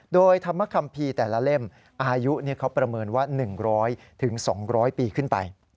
โดยธรรมคัมภีร์แต่ละเล่มอายุเขาประเมินว่า๑๐๐๒๐๐ปีขึ้นไป